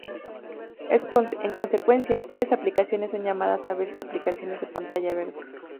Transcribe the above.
En consecuencia, tales aplicaciones son llamadas a veces aplicaciones de pantalla verde.